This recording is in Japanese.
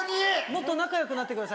もっと仲良くなって。